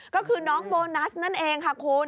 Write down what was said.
ก็คือน้องโบนัสนั่นเองค่ะคุณ